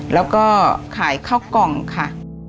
แล้วก็ขายข้าวกล่องค่ะ